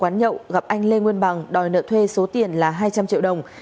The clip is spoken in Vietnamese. quán nhậu gặp anh lê nguyên bằng đòi nợ thuê số tiền là hai trăm linh triệu đồng